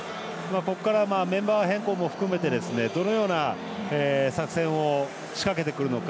ここから、メンバー変更も含めてどのような作戦を仕掛けてくるのか。